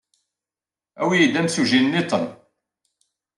Awi-iyi-d imsujji niḍen.